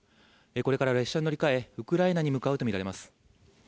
これから列車に乗り換え、ウクライナに向かうとみられます。